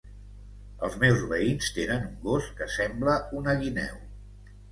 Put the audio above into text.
Els meus veïns tenen un gos que sembla una guineu.